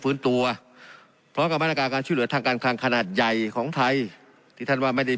ตัวพร้อมกับมาตรการการช่วยเหลือทางการคลังขนาดใหญ่ของไทยที่ท่านว่าไม่ได้